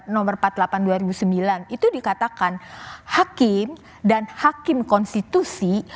nomor empat puluh delapan dua ribu sembilan itu dikatakan hakim dan hakim konstitusi